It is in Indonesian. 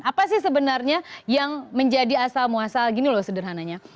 apa sih sebenarnya yang menjadi asal muasal gini loh sederhananya